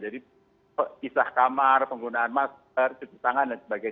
jadi islah kamar penggunaan masker cuci tangan dan sebagainya